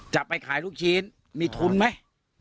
จะไปขายลูกชิ้นมีทุนไหม